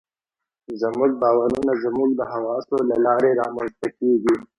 زموږ باورونه زموږ د حواسو له لارې رامنځته کېږي.